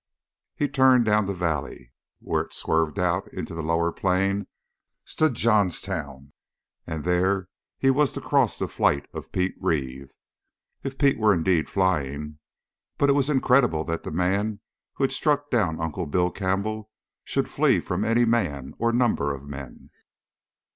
He turned down the valley. Where it swerved out into the lower plain, stood Johnstown, and there he was to cross the flight of Pete Reeve, if Pete were indeed flying. But it was incredible that the man who had struck down Uncle Bill Campbell should flee from any man or number of men.